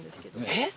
えっ！